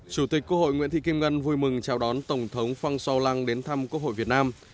chủ tịch quốc hội nguyễn thị kim ngân vui mừng chào đón tổng thống phan xô hồ lăng đến thăm quốc hội việt nam